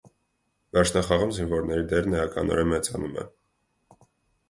Վերջնախաղում զինվորների դերն էականորեն մեծանում է։